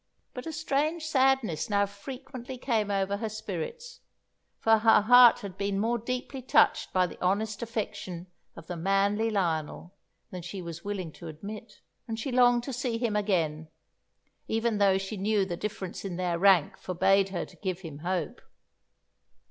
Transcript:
But a strange sadness now frequently came over her spirits, for her heart had been more deeply touched by the honest affection of the manly Lionel than she was willing to admit, and she longed to see him again, even though she knew the difference in their rank forbade her to give him hope.